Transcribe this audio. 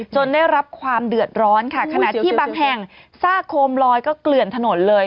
ได้รับความเดือดร้อนค่ะขณะที่บางแห่งซากโคมลอยก็เกลื่อนถนนเลย